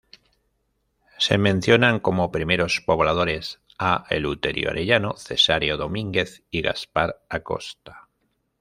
Se mencionan como primeros pobladores a Eleuterio Arellano, Cesáreo Domínguez y Gaspar Acosta.